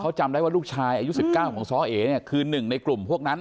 เขาจำได้ว่าลูกชายอายุ๑๙ของซ้อเอเนี่ยคือหนึ่งในกลุ่มพวกนั้น